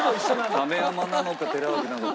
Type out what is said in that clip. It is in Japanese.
亀山なのか寺脇なのか。